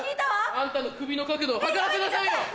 あんたの首の角度を測らせなさいよ！